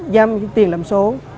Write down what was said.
giam tiền làm số